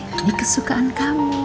ya ini kesukaan kamu